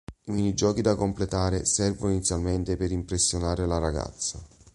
I minigiochi da completare servono inizialmente per impressionare la ragazza.